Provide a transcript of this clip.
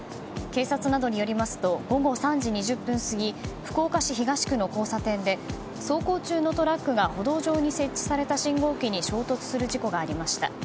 警察などによりますと午後３時２０分過ぎ福岡市東区の交差点で走行中のトラックが歩道上に設置された信号機に衝突する事故が起きました。